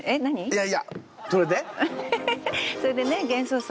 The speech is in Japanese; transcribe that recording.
いやいやそれで？